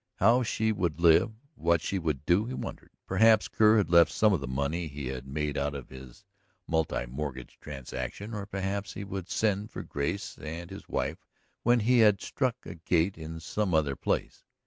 How she would live, what she would do, he wondered. Perhaps Kerr had left some of the money he had made out of his multimortgage transactions, or perhaps he would send for Grace and his wife when he had struck a gait in some other place.